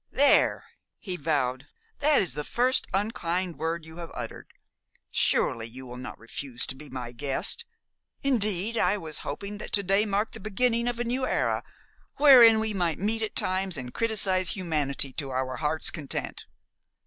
"There!" he vowed. "That is the first unkind word you have uttered. Surely you will not refuse to be my guest? Indeed, I was hoping that to day marked the beginning of a new era, wherein we might meet at times and criticize humanity to our hearts' content."